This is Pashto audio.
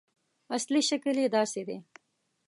اصلي شکل یې داسې دی.